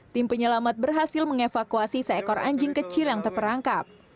tim penyelamat berhasil mengevakuasi seekor anjing kecil yang terperangkap